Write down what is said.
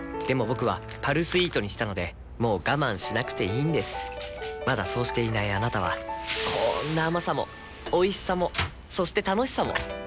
僕は「パルスイート」にしたのでもう我慢しなくていいんですまだそうしていないあなたはこんな甘さもおいしさもそして楽しさもあちっ。